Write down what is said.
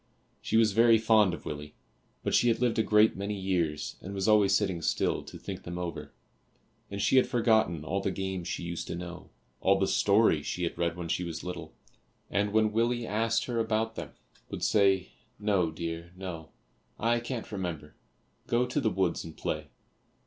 She was very fond of Willie, but she had lived a great many years and was always sitting still to think them over, and she had forgotten all the games she used to know, all the stories she had read when she was little, and when Willie asked her about them, would say, "No, dear, no, I can't remember; go to the woods and play."